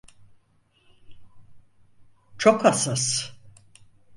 Çok hassas.